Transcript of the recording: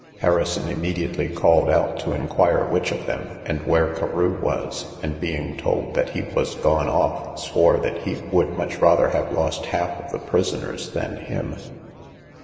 Harrison immediately called out to inquire which of them, and where Carew was; and, being told that he was gone off, swore that he would much rather have lost half of the prisoners than him.